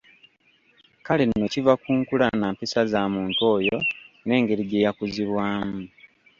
Kale nno kiva ku nkula nampisa za muntu oyo n'engeri gye yakuzibwamu.